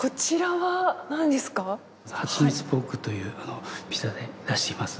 はちみつポークというピザで出しています。